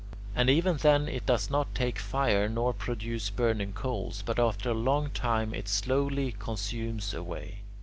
And even then it does not take fire nor produce burning coals, but after a long time it slowly consumes away.